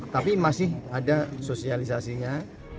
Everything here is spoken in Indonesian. tapi masih ada sosialisasinya